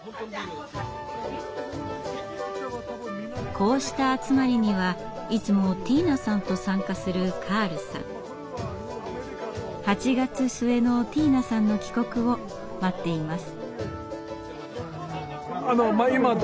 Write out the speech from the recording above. こうした集まりにはいつもティーナさんと参加するカールさん。８月末のティーナさんの帰国を待っています。